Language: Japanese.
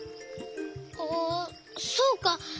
あそうか。